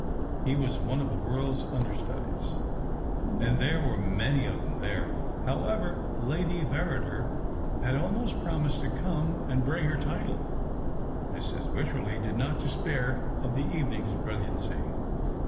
He was one of the world's understudies, and there were many of them there. However, Lady Verrider had almost promised to come and bring her title. Mrs. Wycherley did not despair of the evening's brilliancy.